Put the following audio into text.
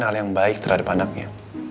hal yang baik terhadap anaknya